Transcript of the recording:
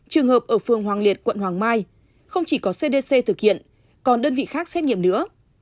trường hợp ở phường hoàng liệt quận hoàng mai không chỉ có cdc thực hiện còn đơn vị khác xét nghiệm nữa